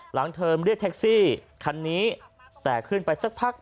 เทอมเรียกแท็กซี่คันนี้แต่ขึ้นไปสักพัก